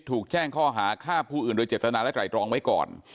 ถูกแจ้งข้อหาฆ่าผู้อื่นโดยเจตนาและไตรรองไว้ก่อน